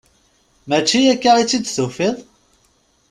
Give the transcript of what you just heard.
Mačči akka i tt-id-tufiḍ?